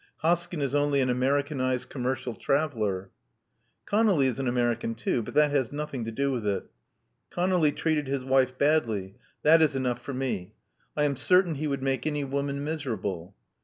Hoskyn is only an Americanized commercial traveller." "ConoUy is an American too. But that has nothing to do with it. ConoUy treated his wife badly: that is 300 Love Among tlie Artists enough for me. I am certain he would make any woman miserable."